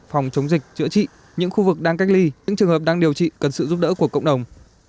phòng chống dịch chữa trị những khu vực đang cách ly những trường hợp đang điều trị cần sự giúp đỡ của cộng đồng